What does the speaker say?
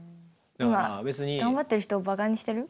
今頑張っている人をバカにしてる？